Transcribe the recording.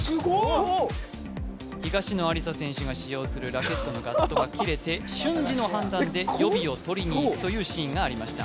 そう東野有紗選手が使用するラケットのガットが切れて瞬時の判断で予備を取りに行くというシーンがありました